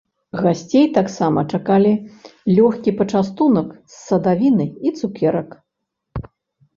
Гасцей таксама чакалі лёгкі пачастунак з садавіны і цукерак.